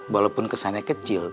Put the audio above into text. walaupun kesannya kecil